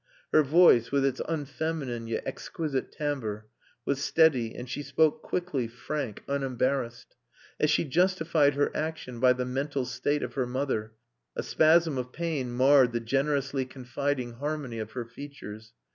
Her voice, with its unfeminine yet exquisite timbre, was steady, and she spoke quickly, frank, unembarrassed. As she justified her action by the mental state of her mother, a spasm of pain marred the generously confiding harmony of her features.